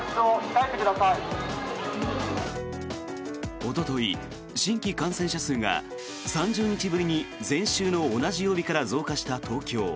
おととい、新規感染者数が３０日ぶりに前週の同じ曜日から増加した東京。